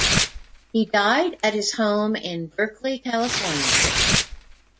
He died at his home in Berkeley, California.